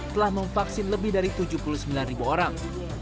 telah memvaksin lebih dari tujuh puluh sembilan ribu orang